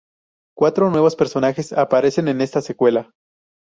Cuatro nuevos personajes aparecen en esta secuela.